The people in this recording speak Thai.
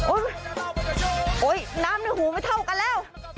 โอ๊ยโอ๊ยน้ำในหูไม่เท่ากันแล้ว